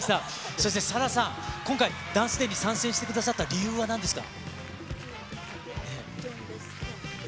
そしてＳＡＬＡＨさん、今回、ＤＡＮＣＥＤＡＹに参戦してくださった理由はなんですか？